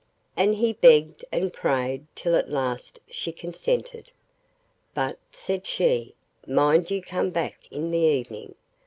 And he begged and prayed till at last she consented. 'But,' said she, 'mind you come back in the evening.